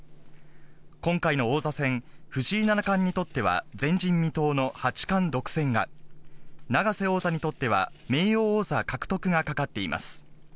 今回の王座戦、藤井七冠にとっては前人未到の八冠独占が、永瀬王座にとっては、名誉王座獲得がかかっています。